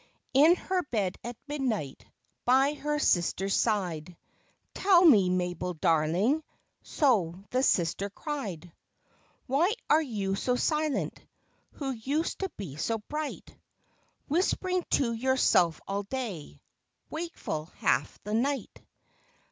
In her bed at midnight, By her sister's side, — u Tell me, Mabel darling," So the sister cried ;" Why are you so silent, Who used to be so bright, Whispering to yourself all day, Wakeful half the night